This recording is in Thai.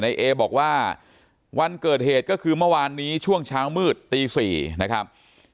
เอบอกว่าวันเกิดเหตุก็คือเมื่อวานนี้ช่วงเช้ามืดตี๔นะครับ